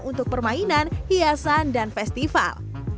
untuk permainan hiasan dan festival